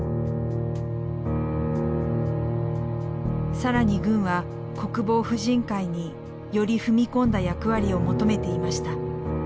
更に軍は国防婦人会により踏み込んだ役割を求めていました。